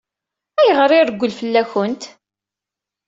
Ayɣer i ireggel fell-akent?